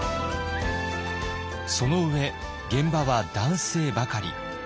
その上現場は男性ばかり。